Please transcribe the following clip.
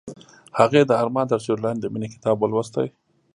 هغې د آرمان تر سیوري لاندې د مینې کتاب ولوست.